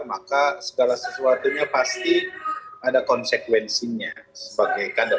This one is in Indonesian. maka segala sesuatunya pasti ada konsekuensinya sebagai kader